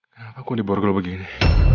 kenapa aku diborgol begini